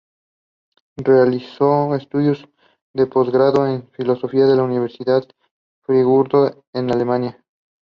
Beloretsk is the nearest rural locality.